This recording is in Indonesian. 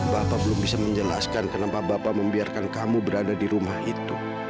bapak belum bisa menjelaskan kenapa bapak membiarkan kamu berada di rumah itu